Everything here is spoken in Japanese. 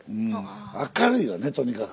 明るいよねとにかく。